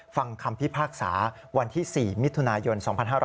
ฟังคำพิพากษาวันที่๔มิถุนายน๒๕๕๙